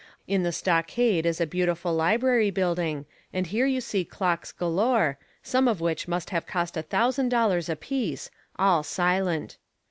In the stockade is a beautiful library building and here you see clocks galore, some of which must have cost a thousand dollars a piece, all silent.